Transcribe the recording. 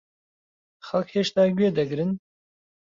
خەڵک هێشتا گوێ دەگرن؟